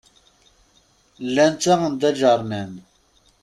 Llan ttaɣen-d aǧernan.